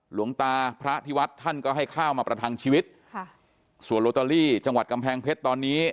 หลวงตาพระที่วัดท่านก็ให้ข้าวมาประทังชีวิตค่ะส่วนโลตอรี่จังหวัดกำแพงเพชรตอนนี้